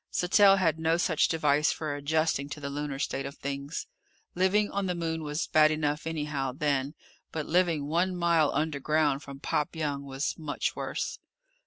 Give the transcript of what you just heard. Sattell had no such device for adjusting to the lunar state of things. Living on the Moon was bad enough anyhow, then, but living one mile underground from Pop Young was much worse.